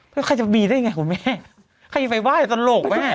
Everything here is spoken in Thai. มั้ยใครจะบีย์ยังไงครับแม่ใครจะไปว่ายะตลกแม่